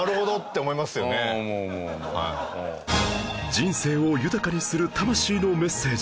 人生を豊かにする魂のメッセージ